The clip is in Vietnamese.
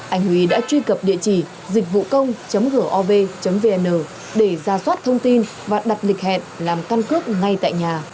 anh huy đã truy cập địa chỉ dịchvucông gov vn để ra soát thông tin và đặt lịch hẹn làm căn cước ngay tại nhà